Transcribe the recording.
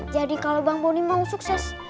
jadi kalau bang bonny mau sukses